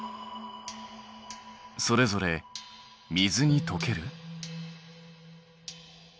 それぞれ水にとける？